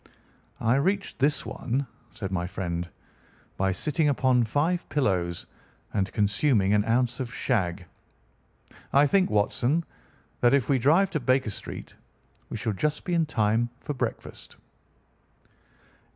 "I reached this one," said my friend, "by sitting upon five pillows and consuming an ounce of shag. I think, Watson, that if we drive to Baker Street we shall just be in time for breakfast."